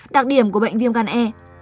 đặc điểm của bệnh viêm gan e